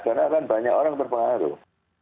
karena kan banyak orang berpengaruh